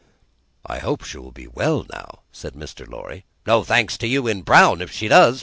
"I hope she will do well now," said Mr. Lorry. "No thanks to you in brown, if she does.